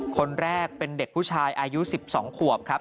คนแรกเป็นเด็กผู้ชายอายุ๑๒ขวบครับ